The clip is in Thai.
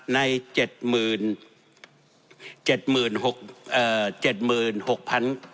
ในเจ็ดหมื่นเจ็ดหมื่นหกเอ่อเจ็ดหมื่นหกพัน